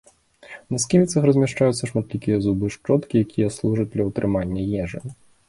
На сківіцах размяшчаюцца шматлікія зубы-шчоткі, якія служаць для ўтрымання ежы.